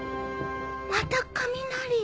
また雷。